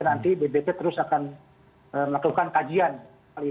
nanti bnpt terus akan melakukan kajian kali ini